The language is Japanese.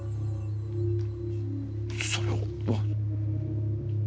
それは。